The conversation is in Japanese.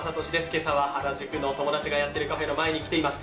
今朝は原宿の友達がやってるカフェの前に来ています。